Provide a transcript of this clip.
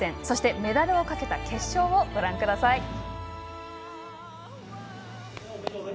そしてメダルをかけた決勝をご覧ください。